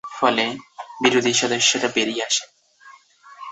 ফলে, বিরোধী সদস্যরা বেরিয়ে আসেন।